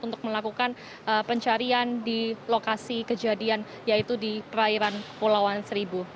untuk melakukan pencarian di lokasi kejadian yaitu di perairan pulauan seribu